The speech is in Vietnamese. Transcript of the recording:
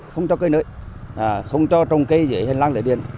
không cho trồng cây dưới hành lang lưới điện